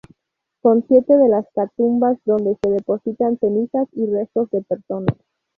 Son siete las catacumbas, donde se depositan cenizas y restos de personas.